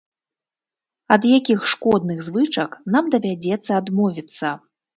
Ад якіх шкодных звычак нам давядзецца адмовіцца?